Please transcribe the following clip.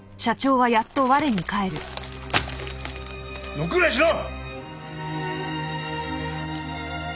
ノックぐらいしろ！